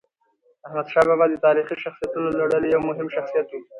احمدشاه بابا د تاریخي شخصیتونو له ډلې یو مهم شخصیت و.